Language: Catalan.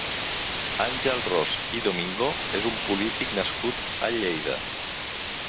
Àngel Ros i Domingo és un polític nascut a Lleida.